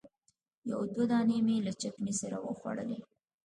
یو دوه دانې مې له چکني سره وخوړلې.